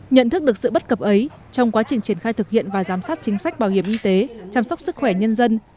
nhận thức được sự bất cập ấy trong quá trình triển khai thực hiện và giám sát chính sách bảo hiểm y tế chăm sóc sức khỏe nhân dân